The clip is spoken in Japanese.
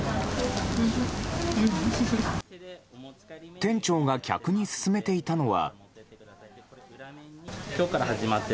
店長が客に勧めていたのは。